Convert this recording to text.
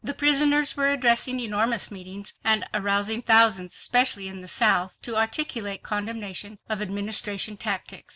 The prisoners were addressing enormous meetings and arousing thousands, especially in the South, to articulate condemnation of Administration tactics.